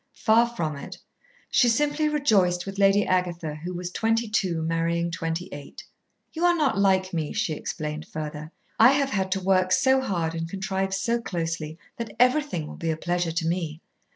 Far from it. She simply rejoiced with Lady Agatha, who was twenty two marrying twenty eight. "You are not like me," she explained further. "I have had to work so hard and contrive so closely that everything will be a pleasure to me.